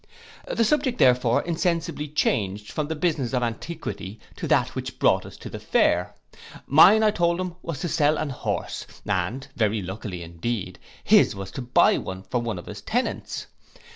The subject therefore insensibly changed from the business of antiquity to that which brought us both to the fair; mine I told him was to sell an horse, and very luckily, indeed, his was to buy one for one of his tenants.